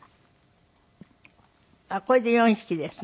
これで４匹ですね。